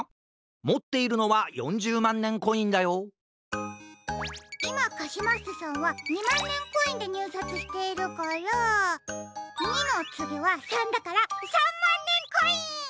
もっているのは４０まんねんコインだよいまカシマッセさんは２まんねんコインでにゅうさつしているから２のつぎは３だから３まんねんコイン！